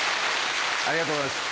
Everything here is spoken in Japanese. ありがとうございます